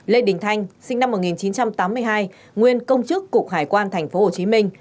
lê đình thanh sinh năm một nghìn chín trăm tám mươi hai nguyên công chức cục hải quan tp hcm